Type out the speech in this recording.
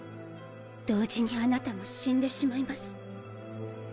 同時にあなたも死んでしまいます。